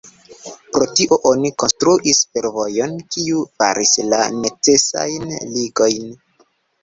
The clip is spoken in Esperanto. Pro tio oni konstruis fervojon, kiu faris la necesajn ligojn.